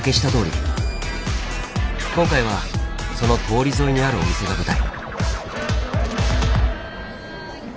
今回はその通り沿いにあるお店が舞台。